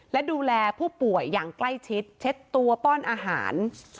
และดูแลผู้ป่วยอย่างใกล้ชิดเช็ดตัวป้อนอาหาร